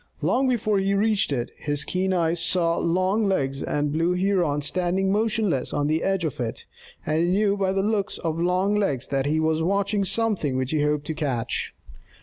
Long before he reached it, his keen eyes saw Longlegs the Blue Heron standing motionless on the edge of it, and he knew by the looks of Longlegs that he was watching something which he hoped to catch.